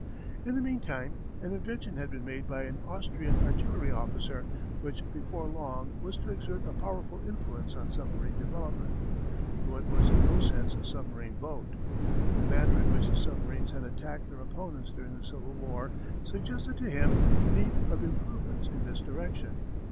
In the meantime, an invention had been made by an Austrian artillery officer which before long was to exert a powerful influence on submarine development, though it was in no sense a submarine boat. The manner in which the submarines had attacked their opponents during the Civil War suggested to him the need of improvements in this direction.